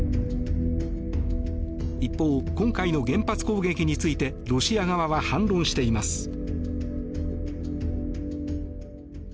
一方、今回の原発攻撃についてロシア側は反論しています。